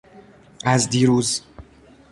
از دیروز